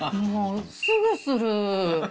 もう、すぐする。